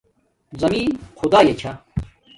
زمین خداݵ چھا